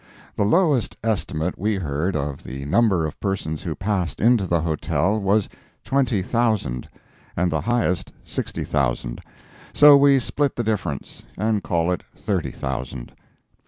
The lowest estimate we heard of the number of persons who passed into the Hotel was twenty thousand, and the highest sixty thousand; so we split the difference, and call it thirty thousand.